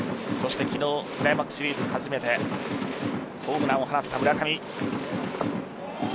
昨日クライマックスシリーズ初めてホームランを放った村上。